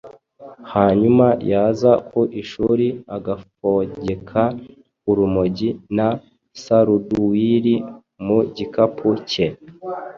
Hanyuma yaza ku ishuri agafogeka urumogi na suruduwiri mu gikapu ke.